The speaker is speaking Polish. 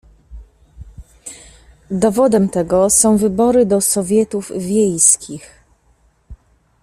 "Dowodem tego są wybory do sowietów wiejskich."